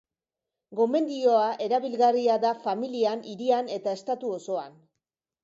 Gomendioa erabilgarria da familian, hirian eta estatu osoan.